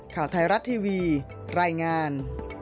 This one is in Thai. ข่าวไทยรัฐทีวีรายงาน